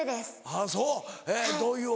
あっそう！